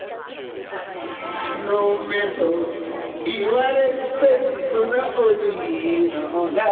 「飲めと言われて素直に飲んだ」